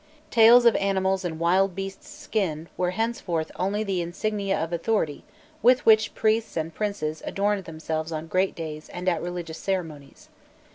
Tails of animals and wild beast's skin were henceforth only the insignia of authority with which priests and princes adorned themselves on great days and at religious ceremonies.